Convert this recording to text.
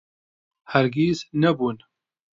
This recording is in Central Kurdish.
هەرگیز نەبوون.